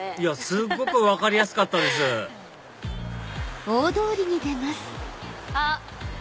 すごく分かりやすかったですあっ